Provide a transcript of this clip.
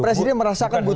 presiden merasakan butuh itu